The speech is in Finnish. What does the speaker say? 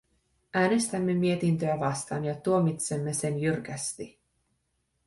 Äänestämme mietintöä vastaan ja tuomitsemme sen jyrkästi.